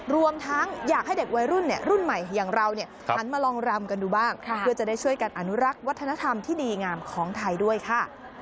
รวมทั้งอยากให้เด็กวัยรุ่นรุ่นใหม่อย่างเราหันมาลองรำกันดูบ้างเพื่อจะได้ช่วยกันอนุรักษ์วัฒนธรรมที่ดีงามของไทยด้วยค่ะ